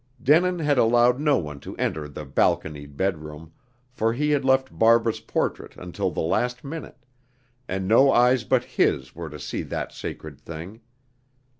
Denin had allowed no one to enter the balconied bedroom, for he had left Barbara's portrait until the last minute, and no eyes but his were to see that sacred thing.